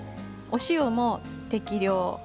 お塩も適量。